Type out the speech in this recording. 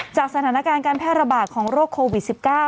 สถานการณ์การแพร่ระบาดของโรคโควิด๑๙